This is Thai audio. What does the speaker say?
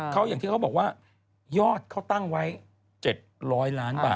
เขาอย่างที่เขาบอกว่ายอดเขาตั้งไว้๗๐๐ล้านบาท